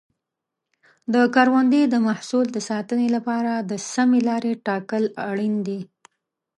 د کروندې د محصول د ساتنې لپاره د سمې لارې ټاکل اړین دي.